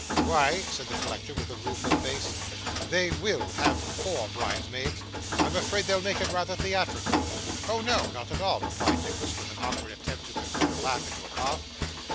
'Why,' said the collector, with a rueful face, 'they WILL have four bridesmaids; I'm afraid they'll make it rather theatrical.' 'Oh no, not at all,' replied Nicholas, with an awkward attempt to convert a laugh into a cough.